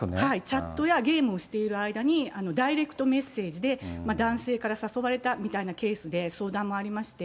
チャットやゲームをしている間にダイレクトメッセージで、男性から誘われたみたいなケースで、相談もありまして、